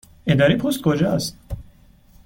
اداره پست کجا است؟